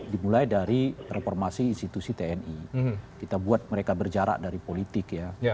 dimulai dari reformasi institusi tni kita buat mereka berjarak dari politik ya